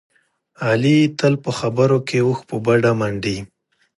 علي تل په خبرو کې اوښ په بډه منډي.